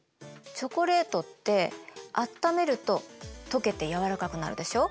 チョコレートってあっためるととけて軟らかくなるでしょ。